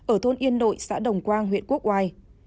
ở thôn yên nội xã đồng quang huyện quốc oai